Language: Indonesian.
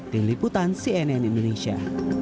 diliputan cnn indonesia